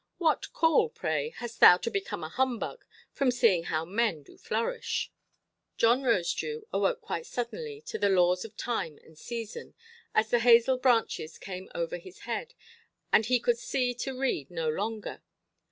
What call, pray, hast thou to become a humbug, from seeing how men do flourish? John Rosedew awoke quite suddenly to the laws of time and season, as the hazel branches came over his head, and he could see to read no longer.